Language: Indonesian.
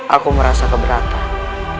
aku merasa keberatan